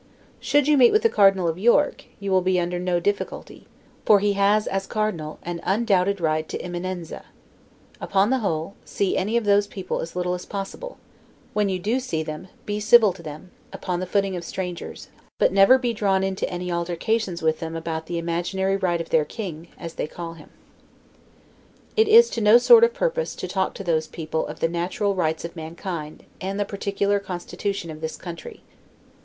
Should you meet with the Cardinal of York, you will be under no difficulty; for he has, as Cardinal, an undoubted right to 'Eminenza'. Upon the whole, see any of those people as little as possible; when you do see them, be civil to them, upon the footing of strangers; but never be drawn into any altercations with them about the imaginary right of their king, as they call him. It is to no sort of purpose to talk to those people of the natural rights of mankind, and the particular constitution of this country.